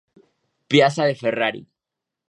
Piazza De Ferrari.